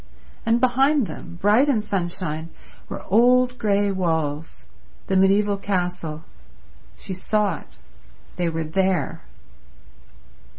And behind them, bright in sunshine, were old grey walls—the mediaeval castle —she saw it—they were there